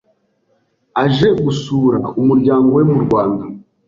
aje gusura umuryango we mu Rwanda.